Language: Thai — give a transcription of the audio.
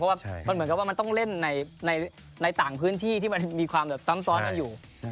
เพราะว่ามันเหมือนกับว่ามันต้องเล่นในต่างพื้นที่ที่มันมีความแบบซ้ำซ้อนกันอยู่